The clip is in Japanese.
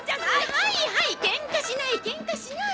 はいはいケンカしないケンカしない。